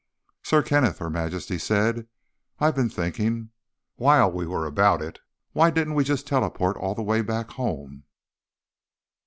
"Sir Kenneth," Her Majesty said. "I've been thinking: while we were about it, why didn't we just teleport all the way back home?"